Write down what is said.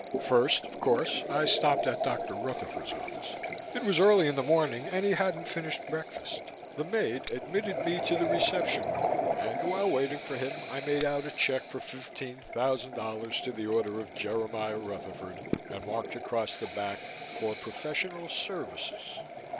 First, of course, I stopped at Dr. Rutherford's office. It was early in the morning and he hadn't finished breakfast. The maid admitted me to the reception room and while waiting for him, I made out a check for fifteen thousand dollars to the order of Jeremiah Rutherford, and marked across the back, "For Professional Services."